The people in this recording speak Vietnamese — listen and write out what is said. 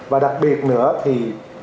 và đặc biệt nữa thì